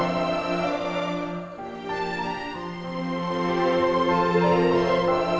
kalau bener bener iqbal yang jalin andin